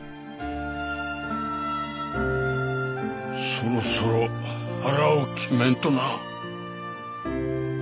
そろそろ腹を決めんとな。